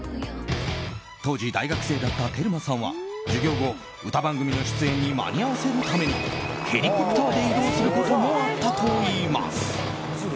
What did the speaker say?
当時大学生だったテルマさんは授業後、歌番組の出演に間に合わせるためにヘリコプターで移動することもあったといいます。